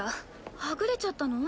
はぐれちゃったの？